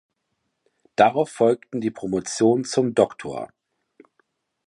Darauf folgten die Promotion zum "Dr.